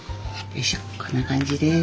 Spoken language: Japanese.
よいしょこんな感じです。